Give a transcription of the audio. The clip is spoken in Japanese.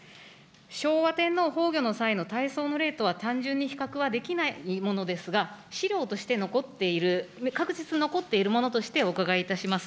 昭和天皇崩御の際の大喪の礼とは単純に比較はできないものですが、資料として残っている、確実に残っているものとして、お伺いいたします。